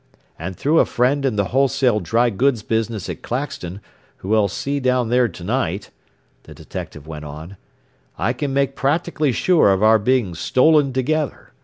"And through a friend in the wholesale dry goods business at Claxton, who I'll see down there to night," the detective went on, "I can make practically sure of our being 'stolen' together.